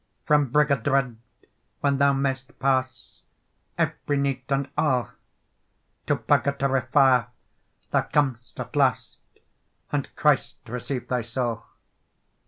From Brigg o' Dread when thou mayst passe, Every nighte and alle, To Purgatory fire thou comest at last, And Christe receive thye saule.